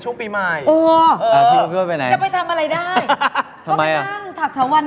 ทำไมอะ